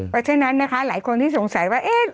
เพราะฉะนั้นนะคะหลายคนที่สงสัยว่าเอ๊ะ